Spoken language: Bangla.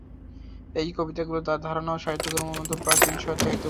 এই কবিতাগুলি তাঁর ধারণা এবং সাহিত্যকর্মের অন্যতম প্রাচীন সত্যায়িত উৎস।